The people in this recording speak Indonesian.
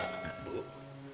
maksud saya begini pak